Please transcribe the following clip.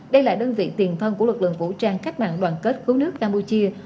đây là đơn vị tiền thân của lực lượng vũ trang cách mạng đoàn kết cứu nước campuchia